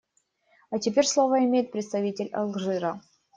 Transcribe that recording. А теперь слово имеет представитель Алжира.